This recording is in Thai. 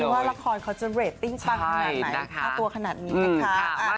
ว่าละครเขาจะเรตติ้งปังขนาดไหนค่าตัวขนาดนี้นะคะ